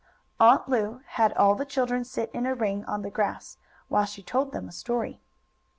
Aunt Lu had all the children sit in a ring on the grass while she told them a story.